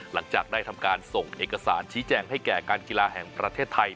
หลังจากได้ทำการส่งเอกสารชี้แจงให้แก่การกีฬาแห่งประเทศไทย